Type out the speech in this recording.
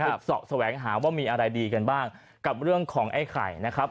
ฟื้นศอกสแว้งหาว่ามีอะไรดีเกินบ้างกับเรื่องของไอ่ไข่นะครับ